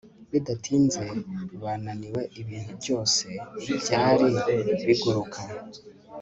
Bidatinze bananiwe ibintu byose byari biguruka